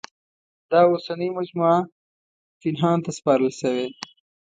دا اوسنۍ مجموعه پنهان ته سپارل شوې.